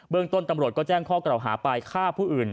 เบื้องต้นตำรวจก็แจ้งข้อกล่าวหาปลายฆ่าผู้อื่น